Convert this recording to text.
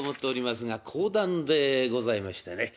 講談でございましてね。